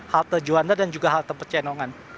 halte juanda dan juga halte pecenongan